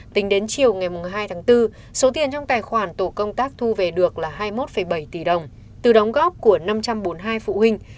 tính đến chiều ngày hai tháng bốn số tiền trong tài khoản tổ công tác thu về được là hai mươi một bảy tỷ đồng từ đóng góp của năm trăm bốn mươi hai phụ huynh